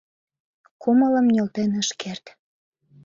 Кумылым нӧлтен ыш керт.